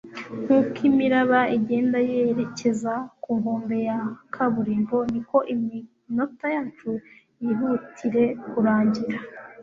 nkuko imiraba igenda yerekeza ku nkombe ya kaburimbo, niko iminota yacu yihutire kurangira